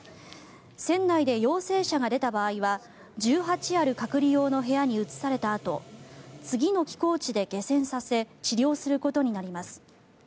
船内で陽性者が出た場合は１８ある隔離用の部屋に移されたあと次の寄港地で下船させ治療することになります。